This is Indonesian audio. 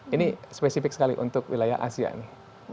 ini spesifik sekali untuk wilayah asia nih